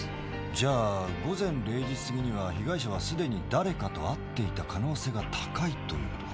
じゃあ午前０時過ぎに被害者は既に誰かと会っていた可能性が高いということか。